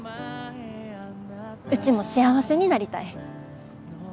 うちも幸せになりたい。